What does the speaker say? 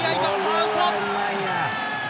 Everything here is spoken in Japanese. アウト。